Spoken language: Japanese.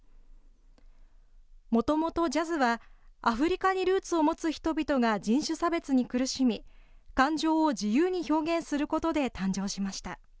もともとジャズはアフリカにルーツを持つ人々が人種差別に苦しみ、感情を自由に表現することで誕生しました。